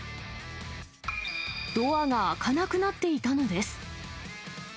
ドアが開かなくなっていたのです。